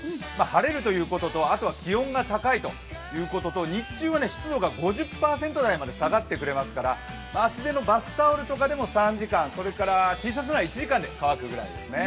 晴れるということと、あと気温が高いということと日中は湿度が５０％台まで下がってくれますから厚手のバスタオルとかでも３時間、それからＴシャツから１時間で乾くくらいですね。